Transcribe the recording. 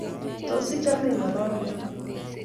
Tos, ichame ingololi ak ngo?